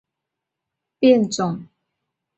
野桐为大戟科野桐属下的一个变种。